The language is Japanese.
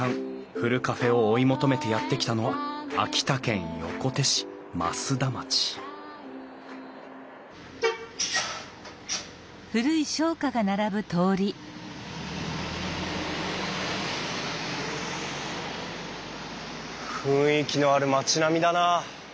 ふるカフェを追い求めてやって来たのは秋田県横手市増田町雰囲気のある町並みだな。